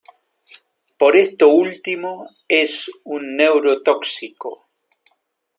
Por esto último es un neurotóxico.